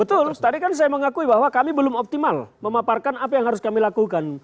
betul tadi kan saya mengakui bahwa kami belum optimal memaparkan apa yang harus kami lakukan